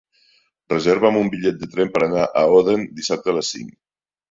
Reserva'm un bitllet de tren per anar a Odèn dissabte a les cinc.